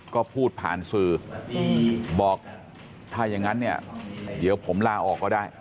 ก็พูดผ่านสื่อบอกถ้าอย่างนั้นเนี่ยเดี๋ยวผมลาออกก็ได้